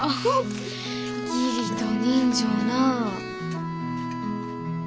義理と人情なあ。